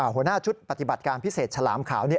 หัวหน้าชุดปฏิบัติการพิเศษฉลามขาวนี้